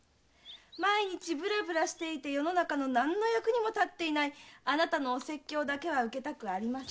毎日ブラブラしていて世の中の何の役にも立ってないあなたのお説教だけは受けたくありません。